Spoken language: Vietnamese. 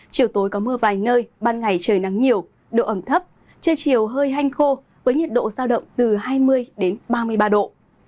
chiều tối có mưa vài nơi ban ngày trời nắng nhiều độ ẩm thấp trời chiều hơi hanh khô với nhiệt độ giao động từ hai mươi ba mươi ba độ